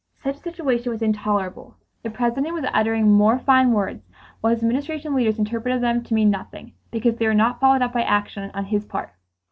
Such a situation was intolerable. The President was uttering more fine words, while his Administration leaders interpreted them to mean nothing, because they were not followed up by action on his part.